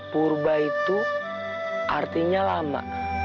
purba itu artinya lama